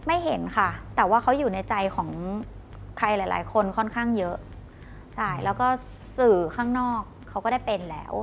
ไม่เห็นค่ะแต่ว่าเขาอยู่ในใจของใครหลายหลายคนค่อนข้างเยอะใช่แล้วก็สื่อข้างนอกเขาก็ได้เป็นแล้ว